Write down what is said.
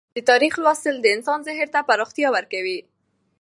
د تاریخ لوستل د انسان ذهن ته پراختیا ورکوي.